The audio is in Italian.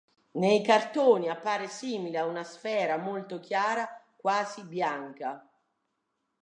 Nei cartoni appare simile ad una sfera molto chiara, quasi bianca.